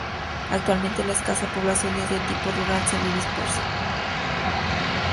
Actualmente la escasa población es de tipo rural semi dispersa.